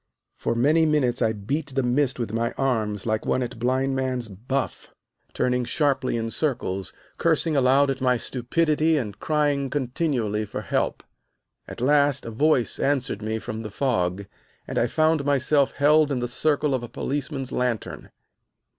For many minutes I beat the mist with my arms like one at blind man's buff, turning sharply in circles, cursing aloud at my stupidity and crying continually for help. At last a voice answered me from the fog, and I found myself held in the circle of a policeman's lantern.